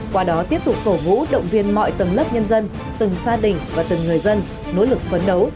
qua đó tiếp tục cổ vũ động viên mọi tầng lớp nhân dân từng gia đình và từng người dân nỗ lực phấn đấu